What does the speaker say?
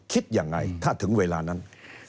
คิดยังไงถ้าถึงเวลานั้น